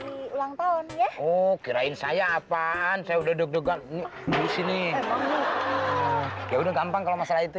roti ulang tahun ya oh kirain saya apaan saya udah duduk duduk ini ya udah gampang kalau masalah itu